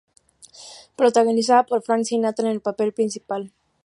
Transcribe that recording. Protagonizada por Frank Sinatra en el papel principal.